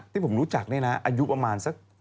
ที่ผมรู้จักเนี่ยนะอายุประมาณสัก